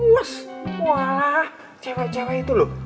walaah cewek cewek itu loh